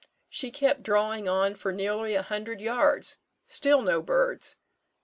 She kept drawing on for nearly a hundred yards still no birds.